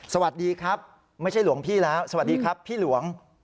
สวัสดีครับไม่ใช่หลวงพี่แล้วสวัสดีครับพี่หลวง